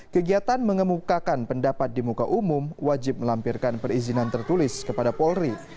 kegiatan mengemukakan pendapat di muka umum wajib melampirkan perizinan tertulis kepada polri